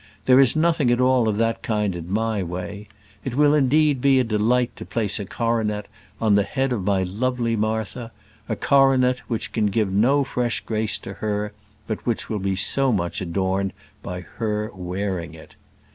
There is nothing at all of that kind in my way. It will indeed be a delight to place a coronet on the head of my lovely Martha: a coronet which can give no fresh grace to her, but which will be so much adorned by her wearing it.